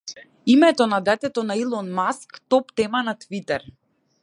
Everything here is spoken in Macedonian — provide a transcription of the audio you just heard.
Името на детето на Илон Маск топ тема на Твитер